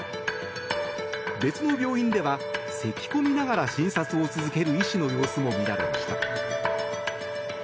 別の病院ではせき込みながら診察を続ける医師の様子も見られました。